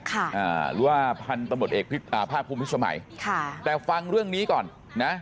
ค่ะหรือว่าพันธุ์ตำรวจเอกภาพภูมิพิสมัยค่ะแต่ฟังเรื่องนี้ก่อนนะ